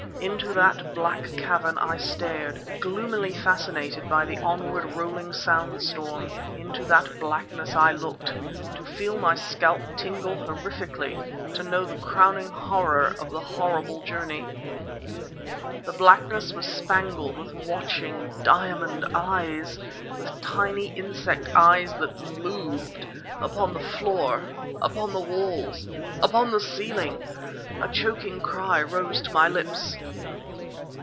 Into that black cavern I stared, gloomily fascinated by the onward rolling sound storm; into that blackness I looked ... to feel my scalp tingle horrifically, to know the crowning horror of the horrible journey. The blackness was spangled with watching, diamond eyes! with tiny insect eyes that moved; upon the floor, upon the walls, upon the ceiling! A choking cry rose to my lips.